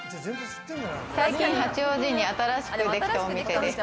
最近、八王子に新しくできたお店です。